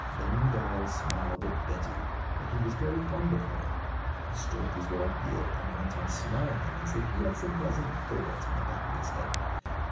Ben Gile smiled at Betty, for he was very fond of her. He stroked his white beard, and went on smiling as if he had some pleasant thought in the back of his head.